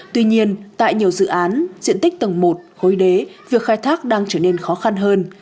tuy nhiên tại nhiều dự án diện tích tầng một khối đế việc khai thác đang trở nên khó khăn hơn